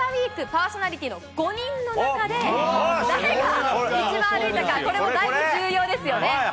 ＷＥＥＫパーソナリティーの５人の中で、誰が一番歩いたか、これもだいぶ重要ですよね。